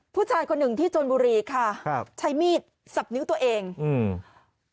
ผู้ชายคนหนึ่งที่ชนบุรีค่ะครับใช้มีดสับนิ้วตัวเองอืม